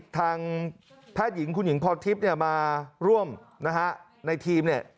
ทางแพทย์หญิงคุณหญิงพอร์ตทิพย์มาร่วมในทีม